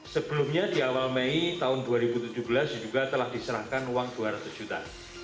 sebelumnya di awal mei tahun dua ribu tujuh belas diduga telah diserahkan uang dua ratus juta